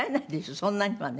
そんなにはね。